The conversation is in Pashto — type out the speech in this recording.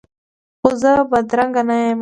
خو زه بدرنګه نه یم